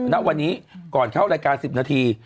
นะวันนี้ก่อนเข้าโรงแรงการ๑๐นาที